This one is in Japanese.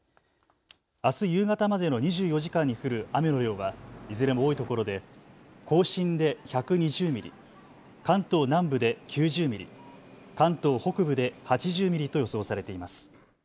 あす夕方までの２４時間に降る雨の量はいずれも多いところで甲信で１２０ミリ、関東南部で９０ミリ、関東北部で８０ミリと予想されています。